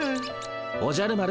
おじゃる丸